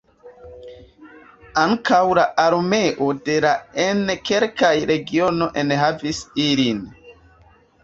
Ankaŭ la armeo de la en kelkaj regionoj enhavis ilin.